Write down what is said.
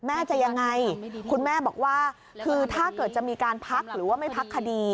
แม่จะยังไงคุณแม่บอกว่าคือถ้าเกิดจะมีการพักหรือว่าไม่พักคดี